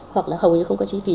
hoặc là hầu như không có chi phí